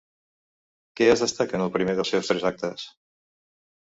Què es destaca en el primer dels seus tres actes?